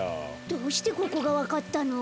どうしてここがわかったの？